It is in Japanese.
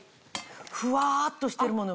ふわっとしてるもの。